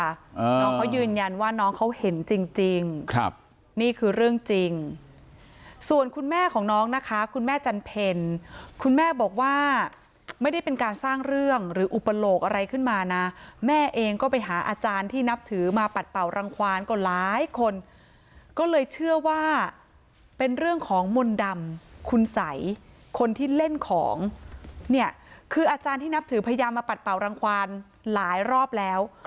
อ่าน้องเขายืนยันว่าน้องเขาเห็นจริงจริงครับนี่คือเรื่องจริงส่วนคุณแม่ของน้องนะคะคุณแม่จันเพลคุณแม่บอกว่าไม่ได้เป็นการสร้างเรื่องหรืออุปโลกอะไรขึ้นมานะแม่เองก็ไปหาอาจารย์ที่นับถือมาปัดเป่ารังควานก็หลายคนก็เลยเชื่อว่าเป็นเรื่องของมนต์ดำคุณสัยคนที่เล่นของเนี่ยคืออาจารย์ที่นับถือพยายามมาปัดเป่ารังความหลายรอบแล้ว